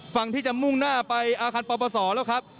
ฝั่งที่จะมุ่งหน้าไปอาคารปปศแล้วครับ